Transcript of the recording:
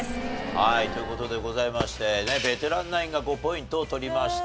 はいという事でございましてベテランナインが５ポイントを取りました。